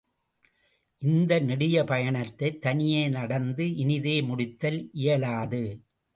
இந்த நெடிய பயணத்தைத் தனியே நடந்து இனிதே முடித்தல் இயலாது.